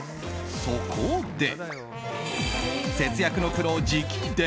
そこで、節約のプロ直伝！